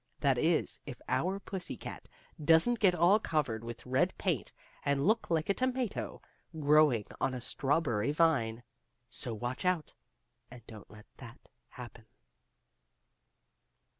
That is, if our pussy cat doesn't get all covered with red paint, and look like a tomato growing on a strawberry vine. So watch out, and don't let that happen.